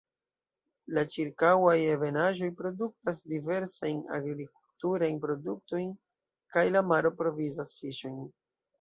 La ĉirkaŭaj ebenaĵoj produktas diversajn agrikulturajn produktojn, kaj la maro provizas fiŝojn.